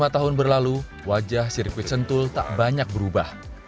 lima tahun berlalu wajah sirkuit sentul tak banyak berubah